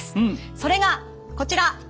それがこちら！